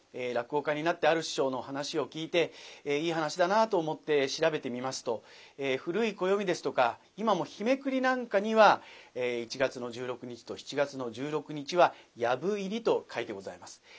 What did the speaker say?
落語家になってある師匠の噺を聴いていい噺だなと思って調べてみますと古い暦ですとか今も日めくりなんかには１月の１６日と７月の１６日は「藪入り」と書いてございます。